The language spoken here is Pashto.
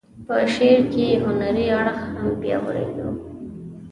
په شعر کې یې هنري اړخ هم پیاوړی و.